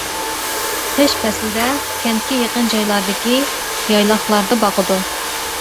قىش پەسلىدە كەنتكە يېقىن جايلاردىكى يايلاقلاردا باقىدۇ.